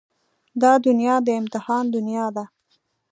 دا دنيا د امتحان دنيا ده.